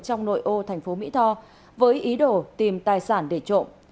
trong nội ô thành phố mỹ tho với ý đồ tìm tài sản để trộm